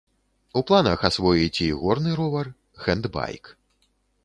У планах асвоіць і горны ровар, хэндбайк.